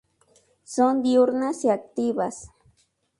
Son diurnas y activas.